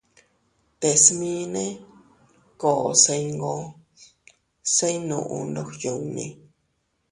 Te smine koo se iyngoo se iynuʼu ndog yunni.